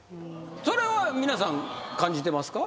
それは皆さん感じてますか？